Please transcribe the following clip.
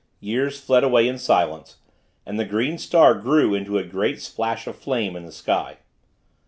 Years fled away in silence, and the green star grew into a great splash of flame in the sky.